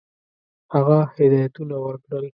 هغه هدایتونه ورکړل.